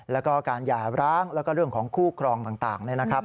แล้วก็การหย่าร้างแล้วก็เรื่องของคู่ครองต่างนะครับ